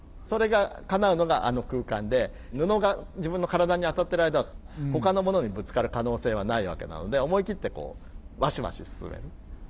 それがかなうのがあの空間で布が自分の体に当たってる間はほかのものにぶつかる可能性はないわけなので思い切ってこうワシワシ進める。